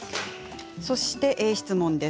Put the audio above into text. そして質問です。